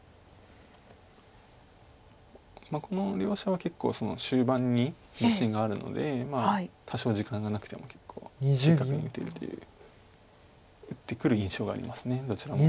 この両者は結構終盤に自信があるので多少時間がなくても正確に打てるっていう打ってくる印象がありますどちらも。